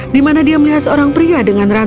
di mana dia melihat seorang pria dengan rantai